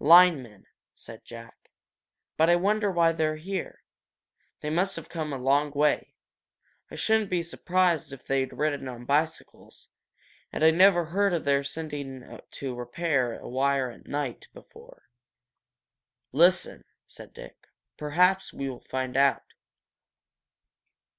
"Linemen," said Jack. "But I wonder why they're here? They must have come a long way. I shouldn't be surprised if they'd ridden on bicycles. And I never heard of their sending to repair a wire at night before." "Listen," said Dick. "Perhaps we will find out."